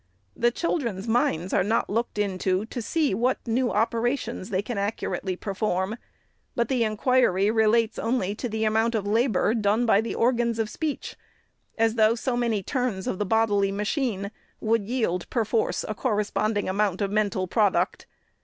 The children's minds are not looked into, to see what new operations they can accurately perform ; but the inquiry relates only to the amount of labor done by the organs of speech ;— as though so many turns of the bodily machine would yield, perforce, a corresponding amount of mental prod uct.